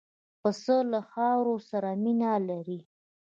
پسه له خاورو سره مینه لري.